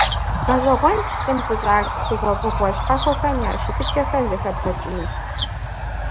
ГъэщӀэгъуэнщ щӀым къыщӀах хъугъуэфӀыгъуэ щхьэхуэхэм я щытыкӀэхэр зэхэбгъэкӀыну.